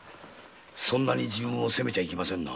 そんなに自分を責めちゃいけませんなあ。